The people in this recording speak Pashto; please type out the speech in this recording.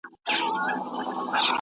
که کرنه پرمختګ وکړي فقر کمیږي.